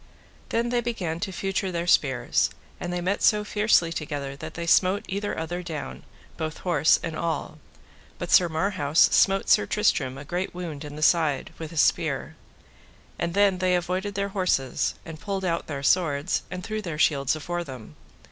Then they began to feutre their spears, and they met so fiercely together that they smote either other down, both horse and all. But Sir Marhaus smote Sir Tristram a great wound in the side with his spear, and then they avoided their horses, and pulled out their swords, and threw their shields afore them.